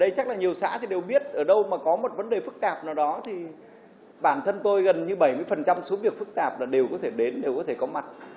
đây chắc là nhiều xã thì đều biết ở đâu mà có một vấn đề phức tạp nào đó thì bản thân tôi gần như bảy mươi số việc phức tạp là đều có thể đến đều có thể có mặt